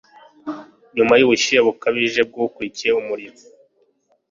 nyuma yubushyuhe bukabije bwakurikiye umuriro